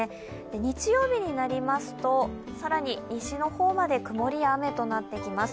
日曜日になりますと更に西の方まで曇りや雨となってきます。